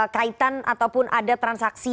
kaitan ataupun ada transaksi